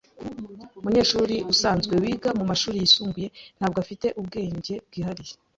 Numunyeshuri usanzwe wiga mumashuri yisumbuye, ntabwo afite ubwenge bwihariye.